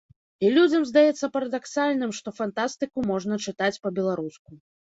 І людзям здаецца парадаксальным, што фантастыку можна чытаць па-беларуску.